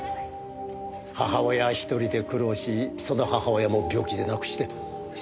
母親一人で苦労しその母親も病気で亡くして。